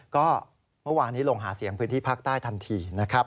ก็เมื่อวานนี้ลงหาเสียงพื้นที่ภาคใต้ทันทีนะครับ